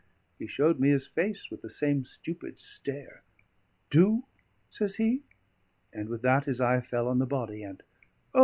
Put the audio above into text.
He showed me his face with the same stupid stare. "Do?" says he. And with that his eye fell on the body, and "O!"